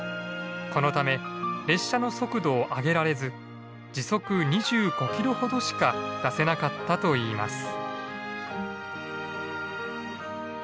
このため列車の速度を上げられず時速２５キロほどしか出せなかったといいます。